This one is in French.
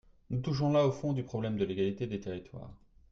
Nous touchons là au fond du problème de l’égalité des territoires.